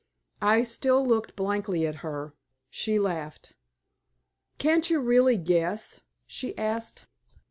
I still looked blankly at her. She laughed. "Can't you really guess?" she asked.